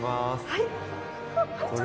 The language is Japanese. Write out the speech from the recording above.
はい。